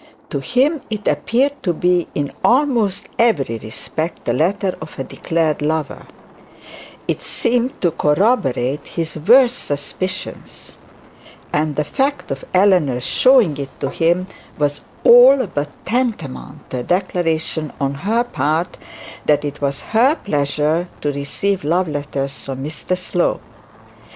To him it appeared to be in almost every respect the letter of a declared lover; it seemed to corroborate his worst suspicions; and the fact of Eleanor's showing it to him was all but tantamount to a declaration on her part, that it was her pleasure to receive love letters from Mr Slope.